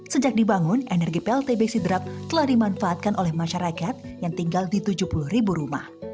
sejak dibangun energi pltb sidrap telah dimanfaatkan oleh masyarakat yang tinggal di tujuh puluh ribu rumah